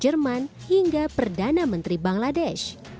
jerman hingga perdana menteri bangladesh